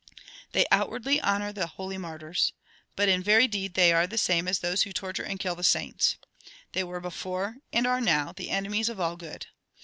They outwardly honour the holy martyrs. But in very deed they are the same as those who torture and kill the saints. They were before, and are now, the enemies of all good.